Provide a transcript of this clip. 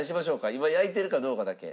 今焼いてるかどうかだけ。